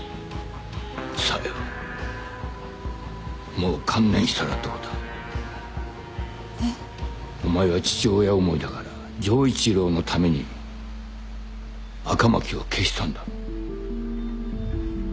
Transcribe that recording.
もう観念したらどうだ？えっ？お前は父親思いだから城一郎のために赤巻を消したんだろう？